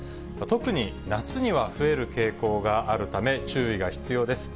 特に夏には増える傾向があるため、注意が必要です。